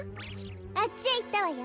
あっちへいったわよ。